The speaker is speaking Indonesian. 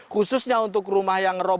khususnya untuk rumah yang roboh